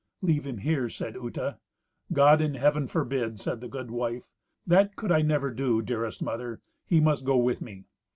"Leave him here," said Uta. "God in Heaven forbid!" said the good wife. "That could I never do, dearest mother; he must go with me."